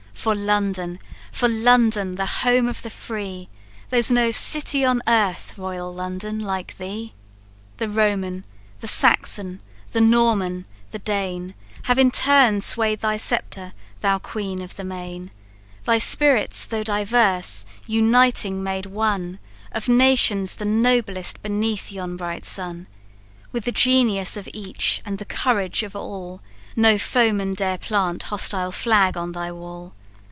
For London! for London! the home of the free, There's no city on earth, royal London, like thee! "The Roman, the Saxon, the Norman, the Dane, Have in turn sway'd thy sceptre, thou queen of the main! Their spirits though diverse, uniting made one, Of nations the noblest beneath yon bright sun; With the genius of each, and the courage of all, No foeman dare plant hostile flag on thy wall.